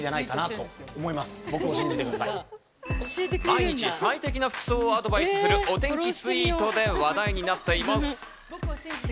毎日最適な服装をアドバイスするお天気ツイートで話題になっています。